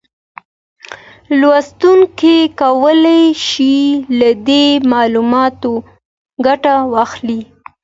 لوستونکي کولای شي له دې معلوماتو ګټه واخلي